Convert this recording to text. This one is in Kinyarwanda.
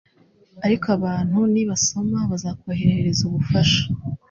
ariko abantu nibasoma, bazakoherereza ubufasha